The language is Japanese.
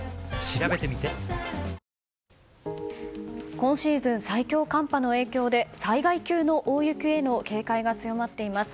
今シーズン最強寒波の影響で災害級の大雪への警戒が強まっています。